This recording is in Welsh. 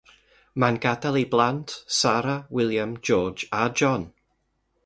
Mae'n gadael ei blant Sarah, William, George, a John.